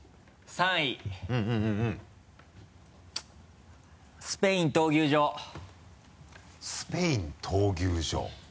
チッ「スペイン闘牛場」「スペイン闘牛場」？